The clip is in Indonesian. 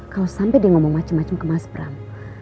kalau sampai dia ngomong macem macem ke mas bram